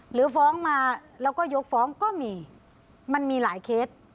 หรือฟ้องมาแล้วก็ยกฟ้องก็มีมันมีหลายเคส